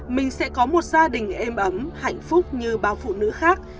mình sẽ có một gia đình êm ấm hạnh phúc như bao phụ nữ khác